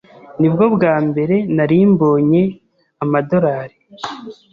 Nibwo bwa mbere narimbonye amadorari